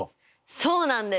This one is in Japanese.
そうなんです！